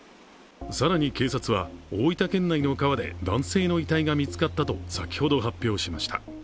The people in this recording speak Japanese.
更に警察は大分県内の川で男性の遺体が見つかったと先ほど発表しました。